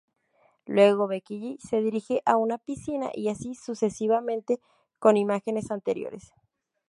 Luego, Becky G se dirige a una piscina y así sucesivamente con imágenes anteriores.